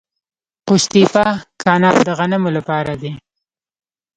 قوش تیپه کانال د غنمو لپاره دی.